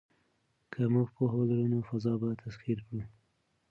که موږ پوهه ولرو نو فضا به تسخیر کړو.